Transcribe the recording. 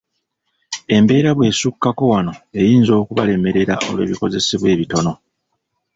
Embeera bw'esukkako wano eyinza okubalemerera olw’ebikozesebwa ebitono.